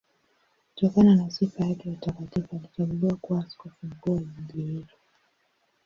Kutokana na sifa yake ya utakatifu alichaguliwa kuwa askofu mkuu wa jiji hilo.